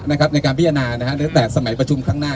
นะครับในการพิจารณานะฮะด้วยแต่สมัยประชุมข้างหน้า